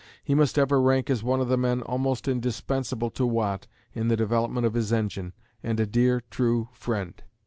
He must ever rank as one of the men almost indispensable to Watt in the development of his engine, and a dear, true friend.